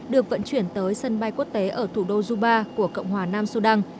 được vận chuyển tới sân bay quốc tế ở thủ đô juba của cộng hòa nam sudan